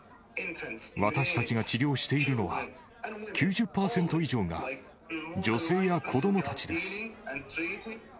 私たちが治療しているのは、９０％以上が女性や子どもたちです。